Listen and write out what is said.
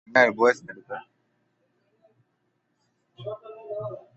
এটি তার সপ্তম কাজ।